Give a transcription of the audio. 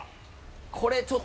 これちょっと。